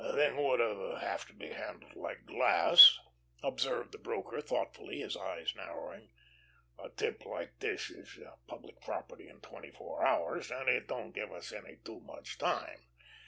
"The thing would have to be handled like glass," observed the broker thoughtfully, his eyes narrowing "A tip like this is public property in twenty four hours, and it don't give us any too much time.